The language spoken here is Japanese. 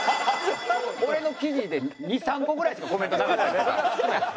俺の記事で２３個ぐらいしかコメントなかったりとか。